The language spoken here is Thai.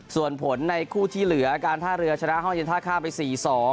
ส่วนผลในคู่ที่เหลือการท่าเรือชนะห้องเย็นท่าข้ามไป๔๒